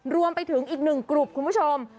รวมไปถึงอีกหนึ่งกลุ่มคุณผู้ชม